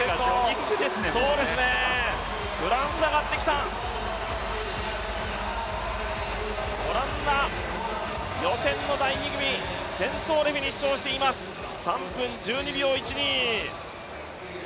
フランス上がってきた、オランダ、予選の第２組、先頭でフィニッシュをしています、３分１２秒１２。